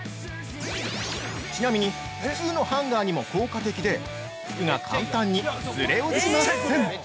ちなみに、普通のハンガーにも効果的で服が簡単にずれ落ちません！